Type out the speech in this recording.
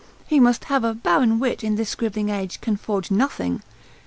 He must have a barren wit, that in this scribbling age can forge nothing.